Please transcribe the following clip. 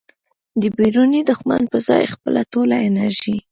د بیروني دښمن په ځای خپله ټوله انرژي